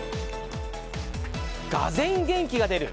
がぜん元気が出る！